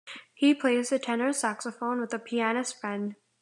He plays the tenor saxophone with a pianist friend.